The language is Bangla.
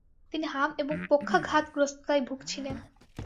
তিনি হাম এবং পক্ষাঘাতগ্রস্ততায় ভূগছিলেন।